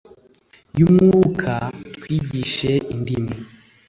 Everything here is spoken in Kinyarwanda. y'umwuka, twigishe indimi